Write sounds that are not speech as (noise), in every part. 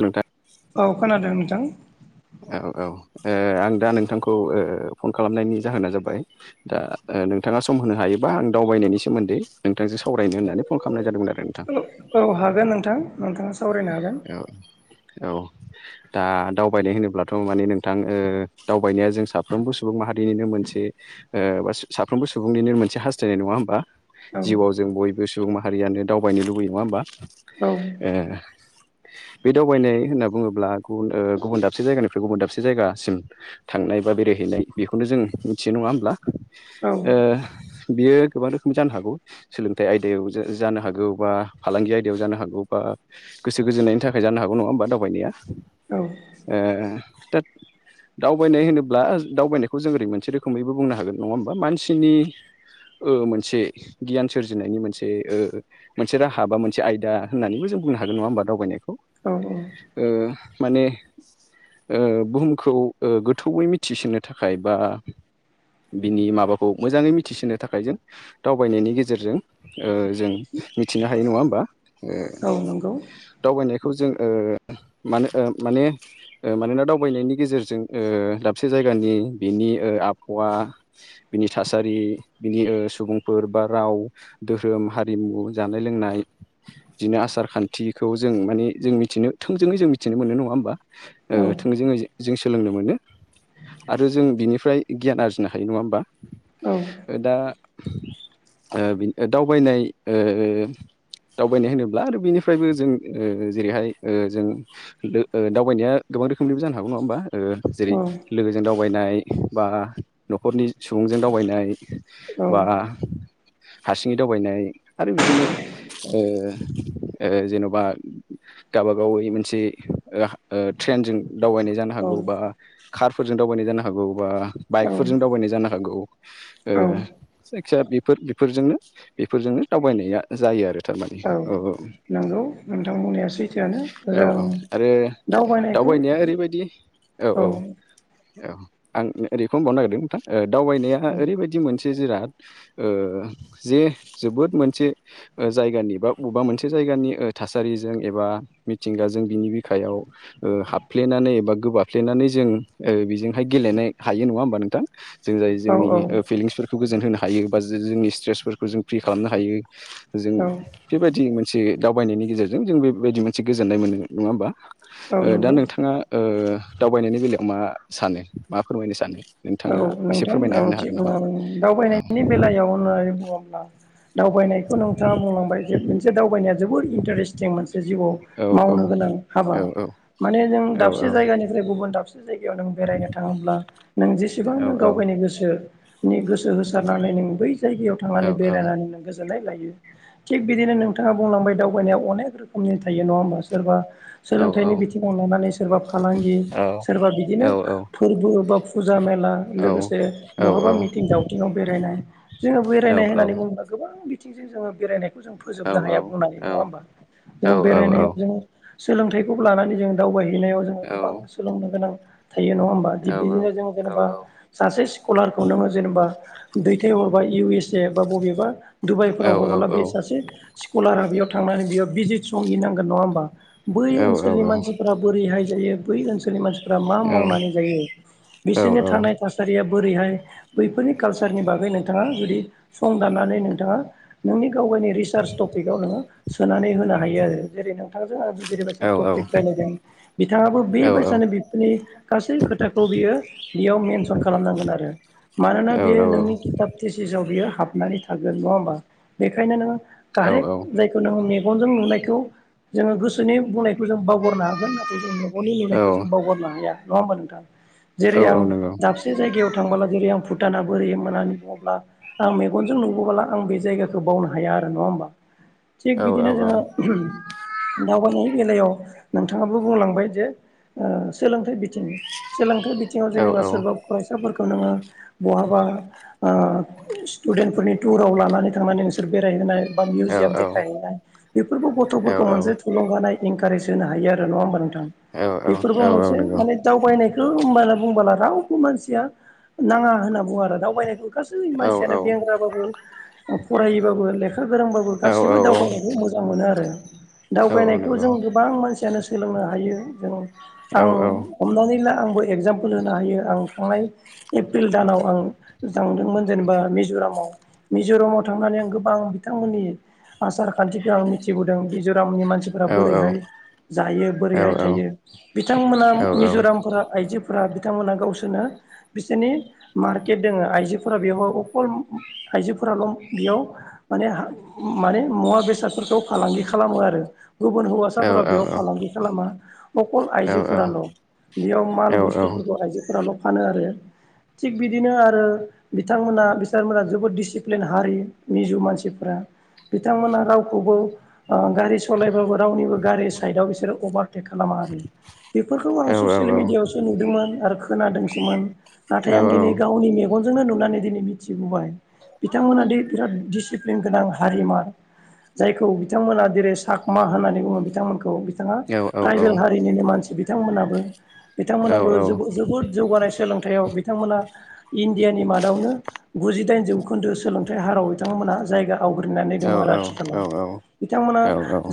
नोंथां औ खोनादों नोंथां औ औ आं दा नोंथांखौ फन खालामनायनि जाहोना जाबाय दा नोंथाङा सम होनो हायोबा आं दावबायनायनि सोमोन्दै नोंथांजों सावरायनो होननानै फन खालामनाय जादोंमोन आरो नोंथां औ हागोन नोंथां नोंथाङा स औ औ दा दावबायनाय होनोब्लाथ' माने नोंथां दावबायनाया जों साफ्रोमबो सुबुं माहारिनिनो मोनसे बा साफ्रोमबो सुबुंनिनो मोनसे हास्थायनाय नङा होमबा जिउआव जों बयबो सुबुं माहारियानो दावबायनो लुबैयो नङा होमबा हागोन ए बे दावबायनाय होनना बुङोब्ला गुबुन गुबुन दाबसे जायगानिफ्राय गुबुन दाबसे जायगासिम थांनाय बा बेरायहै बेखौनो जों मिथिनाय नङा होमब्ला औ बियो गोबां रोखोमनि जानो हागौ सोलोंथाइ आयदायाव जानो हागौ बा फालांगि आयदायाव जानो हागौ बा गोसो गोजोनायनायनि थाखाय जानो हागौ नङा होमबा दावबायनाया औ ओ दा दावबायनाय होनोब्ला दावबायनायखौ जों ओरै मोनसे रोखोमैबो बुंनो हागोन नङा होमबा मानसिनि मोनसे गियान सोरजिनायनि मोनसे मोनसे राहा बा मोनसे आयदा होननानैबोजों बुंनो हागोन नङा होमबा दावबायनायखौ औ माने बुहुमखौ गोथौयै मिथिसोनो थाखाय बा बिनि माबाखौ मोजाङै मिथिसोनो थाखाय जों दावबायनायनि गेजेरजों जों मिथिनो हायो नङा होमबा औ नंगौ दावनाय जों माने मानोना दावबायनायनि गेजेरजों ला दाबसे जायगानि बिनि आबहावा बिनि थासारि बिनि सुबुंफोर बा राव धोरोम हारिमु जानाय लोंनाय बिदिनो आसार खान्थि बे जों माने जों मिथिनो थोंजोङै जों मिथिनो मोनो नङा होमबा औ थोंजोङै जों सोलोंनो मोनो आरो जों बिनिफ्राय गियान आरजिनो हायो नङा होमबा औ दा दावबायनाय दावबायनाय होनोब्ला आरो बिनिफ्रायबो जों जेरैहाय जों दावबायनाया गोबां रोखोमनिबो जानो हागौ नङा होमबा जेरै औ लोगोजों दावबायनाय बा न'खरनि सुबुंजों दावबायनाय बा हारसिङै दावबायनाय आरो बिदिनो जेन'बा बा गाबागाव मोनसे ट्रेनजों दावबायनाय जानो हागौ बा कारफोरजों दावबायनाय जानो हागौ बा औ बाइकफोरजों दावबायनाय जानो हागौ औ जायखिजया बेफोर बेफोरजोंनो बेफोरजोंनो दावबायनाया जायो आरो थार माने औ औ नंगौ नोंथां बुंनाया सैथोआनो औ जों औ आरो दावबायनायखौ दावबायनाया ओरैबायदि औ औ औ आं ओरैखौ होनबावनो नागिरदों नोंथां दावबायनाया ओरैबायदि मोनसे जिराद जे जोबोद मोनसे जायगानि बा बबेबा मोनसे जायगानि थासारिजों एबा मिथिंगाजों बिनि बिखायाव हाबफ्लेनानै एबा गोबाफ्लेनानै जों जों ओ बेजोंहाय गेलेनो हायो नङा होमबा नोंथां जों जाय औ जोंनि औ फिलिंसफोरखौ गोजोन होनो हायो बा जोंनि स्ट्रेसफोरखौ जों फ्रि खालामनो हायो जों औ बेबायदि मोनसे बायनायनि गेजेरजों जों बेबायदि मोनसे गोजोननाय मोनो नङा होमबा। औ ओ दा नंगौ नोंथाङा ओ दावबायनायनि बेलायाव मा सानो मा फोरमायनो सानो? औ नोंथां ओं दावबायनायनि बेलायाव होननानै बुङोब्ला दावबायनायखौ नोंथाङा बुंलांबाय जे मोनसे दावबायनाया जोबोर इन्टारेस्टिं मोनसे जिउआव मावनो गोनां हाबा औ औ माने जों दाबसे जायगानिफ्राय गुबुन दाबसे से जायगायाव नों बेरायनो थाङोब्ला नों जेसेबां नों दावबायनो गोसो गोसो होसारनानै नों बै जायगायाव थांनानै बेरायनानै नों गो- जोननाय लायो । थिग बिदिनो नोंथाङा बुंलांबाय दावबायनायाव अनेक रोखोमनि थायो नङा होमबा सोरबा सोलोंथाइनि बिथिङाव लानानै सोरबा फालांगि सोरबा बिदिनो फोरबो बा फुजा मेला लोगोसे बहाबा मिथिं दावथिङाव बेरायनाय जोङो बेरायनाय होननानै बुङोब्ला गोबां थिंजों जोङो बेरायनायखौ जों फोजोबनो हाया बुंनानै नङा होमबा जों बेरायनायाव जोङो सोलोंथाइखौ लानानै जों दावबायहैनायाव जोङो गोबां सोलोंनो गोनां थायो नङा होमबा थिग बिदिनो जों जेनेबा सासे स्कलारखो नों जेनबा दैदे अबेबा इउ एस ए बा बबेबा दडुबाइफोराव हरबोला बे सासे स्कलारा बेयाव थांनानै बेयाव भिजित संहैनांगोन नङा होमबा बै ओनसोलनि मानसिफोरा बोरैहाय बै ओनसोलनि मानसिफोरा मा मावनानै जायो बिसोरनि थानाय थासारि बोरैहाय बैफोरनि काल्सारनि बागै नोंथाङा जुदि सं दाननानै नोंथाङा नोंनि गाव गावनि रिसार्च टपिकाव नोङो सोनानै होनो हायो आरो जेरै नोंथां जेरैबायसा टपिक बानायदों बिथाङाबो बेबायसानो बिफोरनि गासै खोथाखौ बियो बेयाव मेनसन खालामनांगोन आरो मानोना बे नोंनि किथाब थेसिसआव बियो हाबनानै थागोन नङा होमबा बेखायनो नोङो कारेक् जायखौ नोङो मे- गनजों नुनायखौ जोङो गोसोनि बुंनायखौ जों बावगारनो हागोन नाथाय जोंनि गननि नुनायखौ जों बावगारनो हाया नङा होमबा नोंथां। जेरै आं दाबसे जायगायाव थांबोला जेरै आं फु- भुटाना बोरै होननानै बुङोब्ला आं मेगनजों नुबोबोला आं बे जायगाखौ बावनो हाया आरो नङा होमबा थिग बिदिनो जोङो दावबायनाय बेलायाव नोंथाङाबो बुंलांबाय जे ओ सोलोंथाइ सोलोंथाइ बिथिङाव जेनेबा सोरबा फरायसा फोरखौ नोङो बहाबा ओ स्टुडेन्ट फोरनि टुराव लानानै थांनानै नोंसोर बे- रायहैनाय मिउजियाम देखायहैनाय बेफोरबो गथ'फोरखौ मोनसे थुलुंगानाय इनकारेज होनो हायो आरो नङा होमबा नोंथां बेफोरबो मोनसे माने दावबायनायखौ होनबा बुंबोला रावबो मानसिया नाङा होनना बुङो आरो दावबायनायखौ गासै मानसियानो बेंग्राबाबो फरायोबाबो लेखा गोरोंबाबो गासैबो दावबायनायखौ मोजां मोजां मोनो आरो दावबायनायखौ जों गोबां मानसियानो सोलोंनो हायो जों आं हमनानै ला आंबो एक्जामपोल होनो हायो आं थांनाय एप्रिल दानाव आं थांदोंमोन जेनेबा मिज'रामाव मिज'रामाव थांनानै आं गोबां बिथांमोननि आसार खान्थिखौ आं मिथिबोदों। मिज'- रामनि मानसिफोरा बोरैहाय जायो बोरैहाय थायो बिथांमोना मिज'रामफोरा आइजो फोरा बिथांमोना गावसोरनो बिसोरनि मार्केट दङ आइजोफोरा बेयाव अखल आइजोफोराल' बेयाव माने माने मुवा बेसादफोरखौ फालांगि खालामो आरो गुबुन हौवासाफोरा बेयाव फालांगि खालामा अखल आइजोफोराल' बेयाव माल बु स्थुफोरखौ आइजोफोराल' फानो आरो थिग बिदिनो आरो बिथांमोना बिथांमोना जोबोद दिडिसिप्लिन हारि मिज' मानसिफोरा बिथांमोना रावखौबो ओ गारि सलायबाबो रावनिबो गारि साइडआव बिसोरो अभार टेक खालामा आरो बेफोरखौ आं ससियेल मिडियाआवसो नुदोंमोन आरो खोनादोंसोमोन नाथाय आं दिनै गावनि मे गनजोंनो नुनानै दिनै मिथिबोबाय बिथांमोना दि बिराद दिसिप्लिन गोनां हारिमार जायखौ बिथांमोना जेरै साकमा होननानै बुङो बिथांमोनखौ बिथाङा ट्राइबेल हारिनिनो मानसि बिथांमोनाबो बिथांमोनहाबो जोबोद जौगानाय सोलोंथाइयाव बिथांमोना इण्डियानि मादावनो गुजिदाइन जौखोन्दो सोलोंथाइ हाराव बिथांमोनहा जायगा आवग्रिनानै दङ आरो आथिखालाव बिथांमोना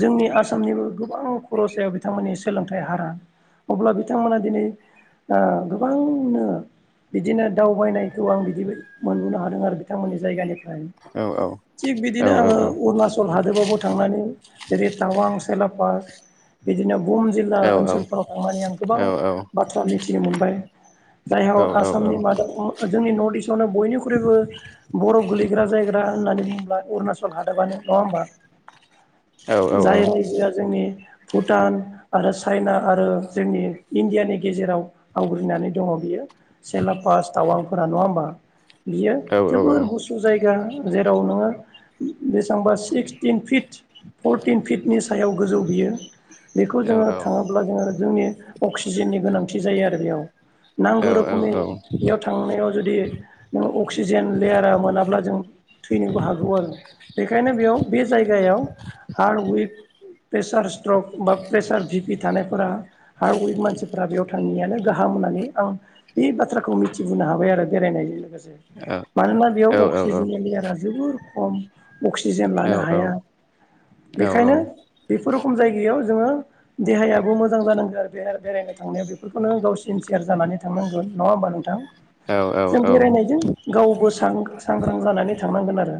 जोंनि आसामनिबो गोबां खरसायाव बिथांमोननि सोलोंथाइ हारा अब्ला बिथांमोना दिनै ओ गोबांनो बिदिनो दावबायनायखौ आं बिदि मोनबोननो हादों आरो बिथांमोननि जायगानि फ्राय थिग बिदिनो आङो अरुणाचल हादोरावबो थांनानै जेरै टावां सेलापास बिदिनो बुहुम जिल्ला ओनसोलफोराव थांनानै आं गोबां बाथ्रा मिथिनो मोनबाय जायहाव आसामनि मादाव जोंनि नर्थ इस्टआवनो बयनिख्रुइबो बर'फ गोलैग्रा जायगा होननानै बु ङोब्ला उरणाचल हादाबनो नङा होमबा जाय रायजोआ जोंनि भुटान आरो चाइना आरो जोंनि इण्डियानि गेजेराव आवग्रिनानै दङ बियो सेला पास्ट टावांफोरा नङा होमबा बियो जोबोर गुसु जायगा जेराव नोङो बेसेबां सिक्सटिन फिट फरटिन फिटनि सायाव गोजौ बियो बेखौ जोङो थाङोब्ला जोङो जोंनि अक्सिजेननि गोनांथि जायो आरो बेयाव नांगौ रोखोमनि बेयाव थांनायाव जुदि अक्सिजेन लेयारा मोनाब्ला जों थैनोबो हागौ आरो बेखायनो बेयाव बे जायगायाव हार्ड विक प्रेसार स्ट्रक बा प्रेसार भिपि थानायफोरा हार्ड विक मानसिफोरा बेयाव थाङियानो गाहाम होननानै औ बे बाथ्राखौ मिथिजोबनो हाबाय आरो बेरायनायनि गेजेरजों मानोना बेयाव अक्सिजेननि लेयारा जोबोर खम अक्सिजेन लानो हाया बेखायनो खुनुरुखुम जायगायाव जोङो देहायाबो मोजां जानांगोन बेराय बेरायनो थांनायाव बेफोरखौनो गाव सिनसियार जानानै थांनांगोन नङा होमबा नोंथां जों बेरायनायजों गावबो सांग्रां जानानै थांनांगोन आरो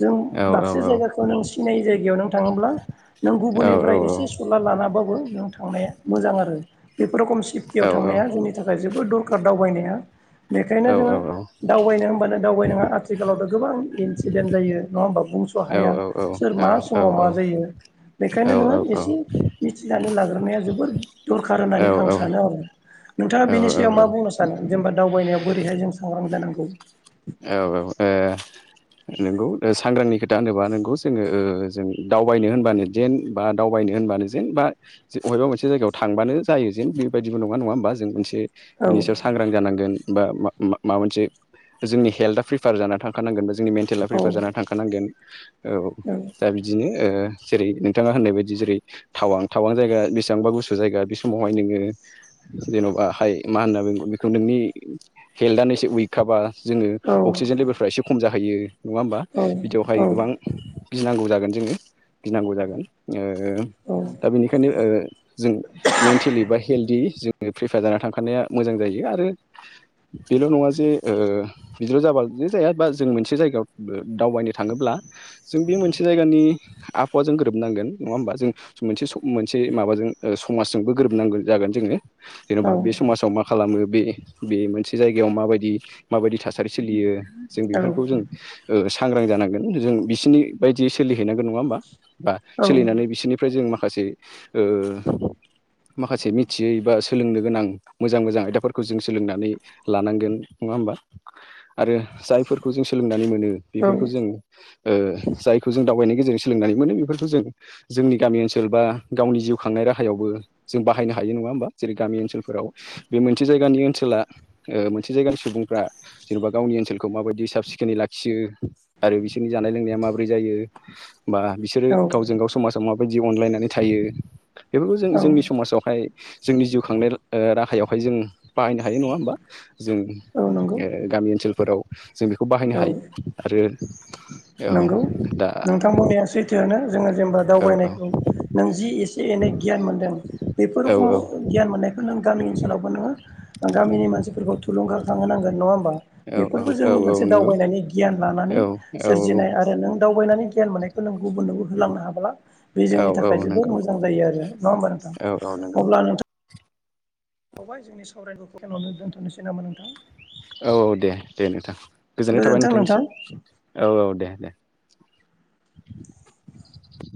जों दाबसे जायगाखौ नों सिनायनाय जायगायाव नों थाङोब्ला नों गुबुननिफ्राय एसे सुलाद लानाबाबो नों थांनाया मोजां आरो बेफोर रखम सिटियाव नोंगौ थांनाया जोंनि थाखाय जोबोद दरखार दावबायनाया बेखायनो जोङो दावबायनो होनबानो दावबायनाङा आथिखालावथ' गोबां इनसिडेन्ट जायो नङा होनोमबा बुं स' हाया सोर मा समाव मा जायो बेखायनो नोङो एसे मिथिनानै लाग्रोनाया जोबोद दरखार होननानै आं सानो आरो नोंथाङा बेनि सायाव मा बुंनो सानो? जेनेबा दावबायनायाव बोरैहाय जों सांग्रां जानांगौ औ औ औ नोंगौ सांग्रांनि खोथा होनोबा नोंगौ जोङो जों दावबायनो होनबानो जेन बा दावबायनो होनबानो जेन बा बबेबा मोनसे जायगायाव थांबानो जायो जेन बेबायदिबो नङा नङा होमबा जों इसे औ बिनि सायाव सांग्रां जानांगोन बा माबा मोनसे जोंनि हेल्था प्रिफयार जानानै थांखानांगोन बा जोंनि मेन्टेला औ प्रिफयार जानानै थांखानांगोन औ दा बिदिनो जेरै नोंथाङा होननाय बायदि जेरै थावां थावां जायगा बेसेबांबा गुसु जायगा बे समावहाय नोङो जेन'बा हाय मा होनना बुंगोन बेखौ नोंनि हेल्थानो एसे उइकखाबा जोङो औ अक्सिजेन लेभेलफ्रा एसे खम जाहैयो नङा होमबा औ बिदियावहाय औ गोबां गिनांगौ जागोन जोङो गिनांगौ जागोन औ दा बेनिखायनो जों मेन्टेलि बा हेल्दि जों प्रिफेयार जाना थांखानाया मोजां जायो आरो बेल' नङा जे ओ बिदिल जाबा जे जाया बा जों मोनसे जायगायाव दावबायनो थाङोब्ला जों बे मोनसे जायगानि आबहावाजों गोरोबनांगोन नङा होमबा जों मोनसे स मोनसे माबाजों ओ समाजजोंबो गोरोबनांगोन जाय जागोन जोङो जेनबा बे समाजाव मा खालामो बे बे मोनसे जायगायाव माबायदि माबायदि थासारि सोलियो जों बेफोरखौ जों ओ सांग्रां जानांगोन जों बिसिनि बायदियै सोलिहैनांगोन नङा होमबा बा सोलिनानै बिसोरनिफ्राय जों मा खासे ओ माखासे मिथियै बा सोलोंनो गोनां मोजां मोजां आयदाफोरखौ जों सोलोंनानै लानांगोन नङा होमबा आरो जायफोरखौ जों सोलोंनानै मोनो बेफोरखौ जों ओ जायखौ जों दावबायनायनि गेजेरजों सोलोंनानै मोनो बेफोरखौ जों जोंनि गामि ओनसोल बा गावनि जिउ खांनाय राहायावबो जों बाहायनो हायो न नङा होमबा जेरै गामि ओनसोलफोराव बे मोनसे जायगानि ओनसोला ओ मोनसे जायगानि सुबुंफ्रा जेन'बा गावनि ओनसोलखौ माबायदि साब सिखोनै लाखियो आरो बिसोरनि जानाय लोंनाया माबोरै जायो बा बिसोरो औ औ गावजों गाव समाजाव माबायदि अनलायनानै थायो बेफोरखौ जों औ जोंनि समाजावहाय जोंनि जिउ खांनाय ओ राहायावहाय जों बाहायनो हायो नङा होमबा जों औ नंगौ गामि ओनसोलफोराव जों बेखौ बाहायनो औ हायो आरो औ नंगौ दा नोंथां बुंनाया सैथोआनो जोङो जेनेबा औ दावबायनायखौ नों जि एसे फायनो गियान मोनदों बेफोर औ खम गियान मोननायखौ नों गामि ओनसोलावबो नोङो गामिनि मानसि फोरखौ थुलुंगा खांहोनांगोन न नङा होमबा बेफोरबो औ जोंनि औ मोनसे नंगौ दावबायनायनि गियान लानानै औ औ सोरजिनाय आरो नों दावबायनानै गियान मोननायखो नों गुबुननोबो होलांनो हाबोला बे जोंनि थाखाय औ जोबोद नंगौ मोजां जायो आरो नङा होमबा नोंथां औ औ नंगौ अब्ला नोंथां बावबाय जोंनि (unintelligible) दोनथ'नोसै नामा नोंथां औ औ दे दे नोंथां गोजोननाय थाबाय गोजोन्थों नोंथां नोंथांनिसिम औ औ दे दे